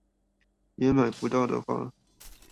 也買不到的話